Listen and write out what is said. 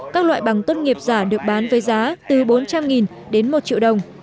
các loại bằng tốt nghiệp giả được bán với giá từ bốn trăm linh đến một triệu đồng